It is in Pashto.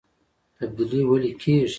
تبدیلي ولې کیږي؟